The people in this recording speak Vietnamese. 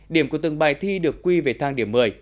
điểm của từng bài thi được quy về thang điểm một mươi